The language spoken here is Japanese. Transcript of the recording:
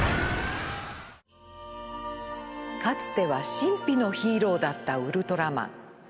かつては神秘のヒーローだったウルトラマン。